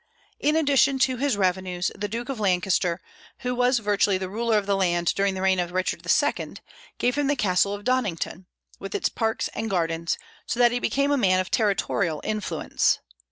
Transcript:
In addition to his revenues, the Duke of Lancaster, who was virtually the ruler of the land during the reign of Richard II., gave him the castle of Donnington, with its park and gardens; so that he became a man of territorial influence.